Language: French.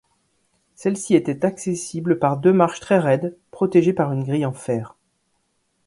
Celle-ci était accessible par deux marches très raides, protégées par une grille en fer.